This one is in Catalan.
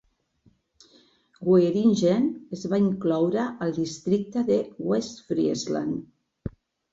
Wieringen es va incloure al districte de Westfriesland.